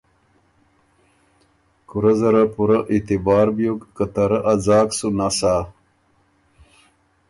کُورۀ زره پُورۀ اعتبار بیوک که ته رۀ ا ځاک سُو نسا۔